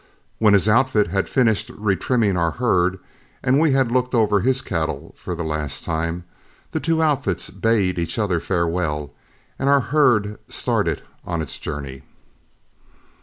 When his outfit had finished retrimming our herd, and we had looked over his cattle for the last time, the two outfits bade each other farewell, and our herd started on its journey.